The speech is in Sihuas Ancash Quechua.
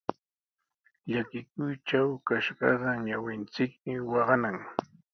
Llakikuytraw kashqaqa ñawinchikmi waqanan.